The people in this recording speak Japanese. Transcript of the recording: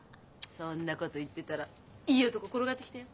そんなこと言ってたらいい男転がってきたよ。